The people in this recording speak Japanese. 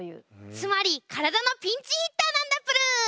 つまり体のピンチヒッターなんだプル。